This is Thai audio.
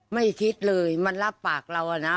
ไม่คิดเลยมันรับปากเราอะนะ